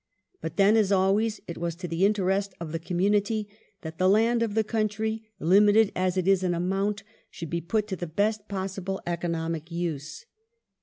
But then, as always, it was to the interest of the com ants munity that the land of the country, limited as it is in amount, should be put to the best possible economic use.